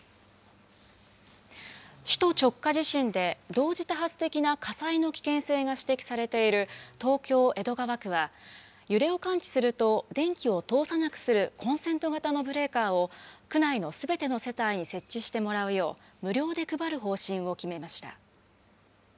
首都直下地震で、同時多発的な火災の危険性が指摘されている、東京・江戸川区は、揺れを感知すると電気を通さなくするコンセント型のブレーカーを、区内のすべての世帯に設置してもらうよう無料で配る方針を決めました。